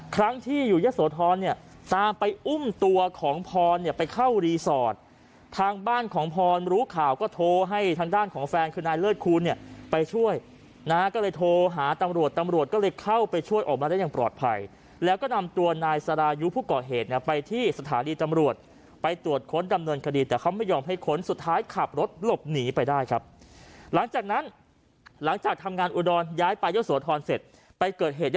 ครั้งที่อยู่เยอะโสธรเนี้ยตามไปอุ้มตัวของพรเนี้ยไปเข้ารีสอร์ททางบ้านของพรรุข่าวก็โทรให้ทางด้านของแฟนคือนายเลิศคูณเนี้ยไปช่วยนะฮะก็เลยโทรหาตำรวจตำรวจก็เลยเข้าไปช่วยออกมาได้อย่างปลอดภัยแล้วก็นำตัวนายสดายุผู้ก่อเหตุเนี้ยไปที่สถานีตำรวจไปตรวจค้นดำเนินคดีตแต่เขาไม่ยอมให